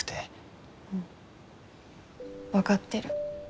うん分かってる。